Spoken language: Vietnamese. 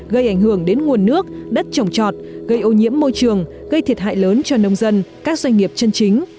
gây ảnh hưởng đến nguồn nước đất trồng trọt gây ô nhiễm môi trường gây thiệt hại lớn cho nông dân các doanh nghiệp chân chính